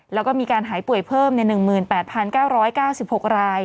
แล้วก็มีการหายป่วยเพิ่ม๑๘๙๙๖ราย